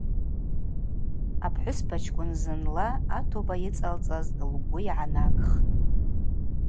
Апхӏвыспачкӏвын зынла атоба йыцӏалцӏаз лгвы йгӏанагхтӏ.